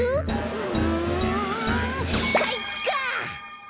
うんかいか！